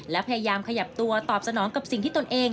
และพยายามขยับตัวตอบสนองกับสิ่งที่ตนเอง